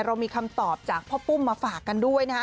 เรามีคำตอบจากพ่อปุ้มมาฝากกันด้วยนะฮะ